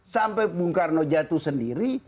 sampai bung karno jatuh sendiri